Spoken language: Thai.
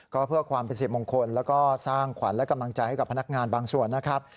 ก็เพื่อความเป็นสิริมงคลแล้วก็สร้างขวัญและกำลังใจให้กับพนักงานบางส่วนนะครับ